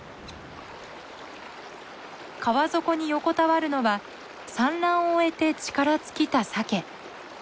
川底に横たわるのは産卵を終えて力尽きたサケ。